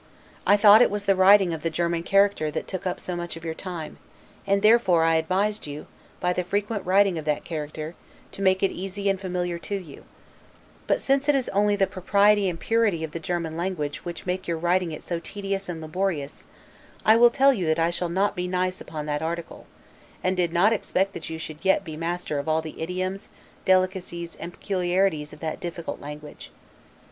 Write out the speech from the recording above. I thought it was the writing of the German character that took up so much of your time, and therefore I advised you, by the frequent writing of that character, to make it easy and familiar to you: But, since it is only the propriety and purity of the German language which make your writing it so tedious and laborious, I will tell you I shall not be nice upon that article; and did not expect that you should yet be master of all the idioms, delicacies, and peculiarities of that difficult language.